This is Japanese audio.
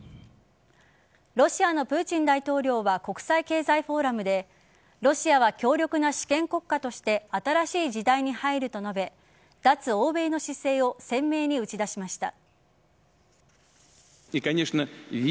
ロシアのプーチン大統領は国際経済フォーラムでロシアは強力な主権国家として新しい時代に入ると述べ脱欧米の姿勢を鮮明に打ち出しました。